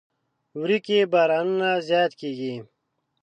وری کې بارانونه زیات کیږي.